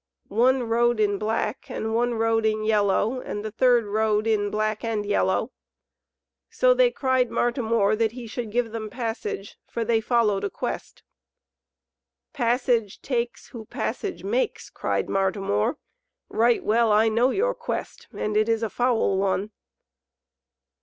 One rode in black, and one rode in yellow, and the third rode in black and yellow. So they cried Martimor that he should give them passage, for they followed a quest. "Passage takes, who passage makes!" cried Martimor. "Right well I know your quest, and it is a foul one."